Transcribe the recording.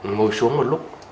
ngồi xuống một lúc